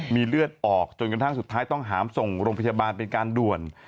มีเลือดออกจนกระทั่งสุดท้ายต้องหามส่งโรงพยาบาลเป็นการด่วน